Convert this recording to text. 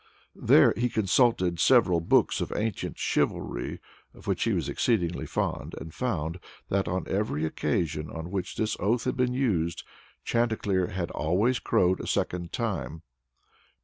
There he consulted several books of ancient chivalry, of which he was exceedingly fond, and found that, on every occasion on which this oath had been used, Chanticleer had always crowed a second time.